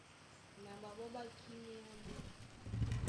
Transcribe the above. Na ɓaɓɔ́ ɓá kíméá mɔ́.